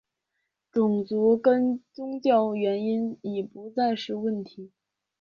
种族跟宗教原因已不再是问题。